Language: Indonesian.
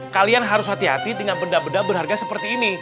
kalian harus hati hati dengan benda benda berharga seperti ini